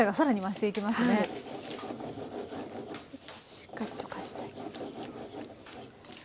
しっかり溶かしてあげていきます。